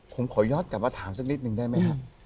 ผมขอย้อนกลับมาถามสักนิดนึงได้ไหมครับ